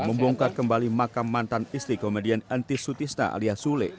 membongkar kembali makam mantan istri komedian antisutisna alias sule